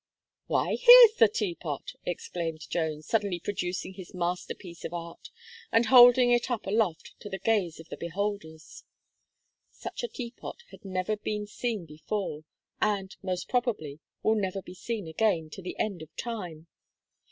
"Why, here's the Tea pot," exclaimed Jones, suddenly producing this masterpiece of art, and holding it up aloft to the gaze of the beholders. Such a Teapot had never been seen before, and, most probably, will never be seen again, to the end of time.